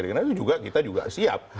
karena itu juga kita siap